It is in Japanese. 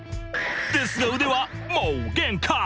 ですが腕はもう限界！